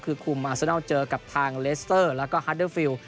คือคุมอาเซนัลเจอกับทางเลสเตอร์แล้วก็ฮัตเดอร์ฟิลล